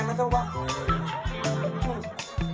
นักแมนหรอจริงปะ